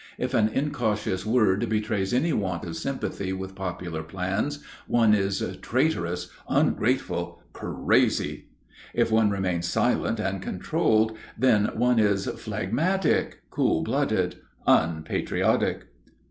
If an incautious word betrays any want of sympathy with popular plans, one is "traitorous," "ungrateful," "crazy." If one remains silent and controlled, then one is "phlegmatic," "cool blooded," "unpatriotic."